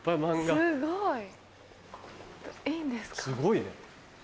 すごいね。